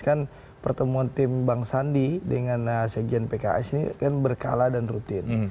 kan pertemuan tim bang sandi dengan sekjen pks ini kan berkala dan rutin